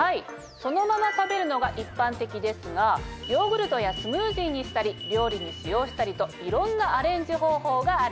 そのまま食べるのが一般的ですがヨーグルトやスムージーにしたり料理に使用したりといろんなアレンジ方法があります。